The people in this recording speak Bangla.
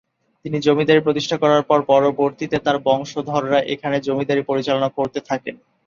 তিনি জমিদারী প্রতিষ্ঠা করার পর পরবর্তীতে তার বংশধররা এখানে জমিদারী পরিচালনা করতে থাকেন।